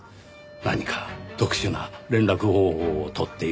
何か特殊な連絡方法を取っているのでしょう。